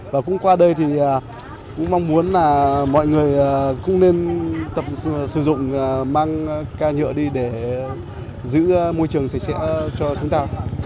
và cũng qua đây thì cũng mong muốn là mọi người cũng nên tập sử dụng mang ca nhựa đi để giữ môi trường sạch sẽ cho chúng ta